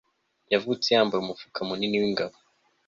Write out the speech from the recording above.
yavutse yambaye umufuka munini wingabo